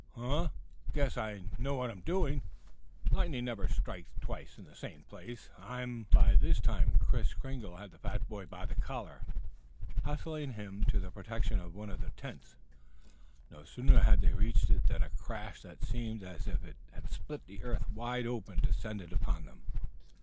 "Huh! Guess I know what I'm doing. Lightning never strikes twice in the same place. I'm " By this time Kris Kringle had the fat boy by the collar, hustling him to the protection of one of the tents. No sooner had they reached it than a crash that seemed as if it had split the earth wide open descended upon them.